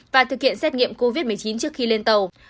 và thực hiện xét nghiệm covid một mươi chín trước khi lên tàu